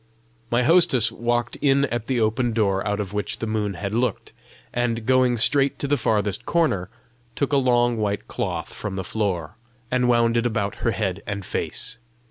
My hostess walked in at the open door out of which the moon had looked, and going straight to the farthest corner, took a long white cloth from the floor, and wound it about her head and face.